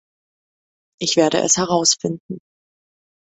Ich werde es herausfinden.